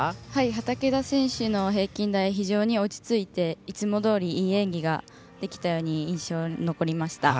畠田選手の平均台非常に落ち着いていつもどおりいい演技ができたように印象に残りました。